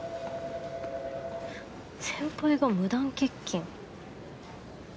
先輩が無断欠勤？